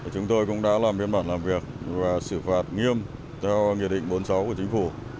chúng tôi cũng đã làm biên bản làm việc và xử phạt nghiêm theo nghị định bốn mươi sáu của chính phủ